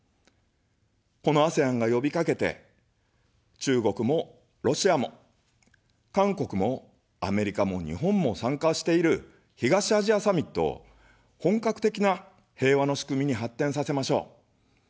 このＡＳＥＡＮがよびかけて、中国もロシアも韓国もアメリカも日本も参加している、東アジアサミットを本格的な平和の仕組みに発展させましょう。